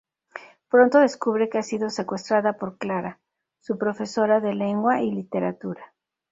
Pronto descubre que ha sido secuestrada por Clara, su profesora de lengua y literatura.